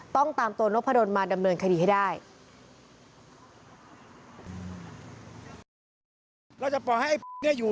ต้องตามตัวโน่นผ่าโดนมาดำเนินคดีให้ได้